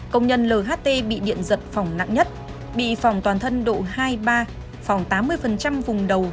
công nhân l h t bị điện giật phỏng nặng nhất bị phỏng toàn thân độ hai ba phỏng tám mươi vùng đầu vùng đầu